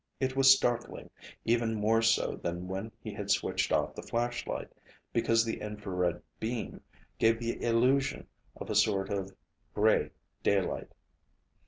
It was startling, even more so than when he had switched off the flashlight, because the infrared beam gave the illusion of a sort of gray daylight.